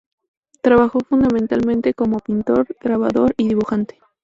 Trabajó fundamentalmente como pintor, grabador y dibujante.